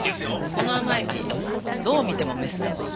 「この甘エビどう見てもメスだわ」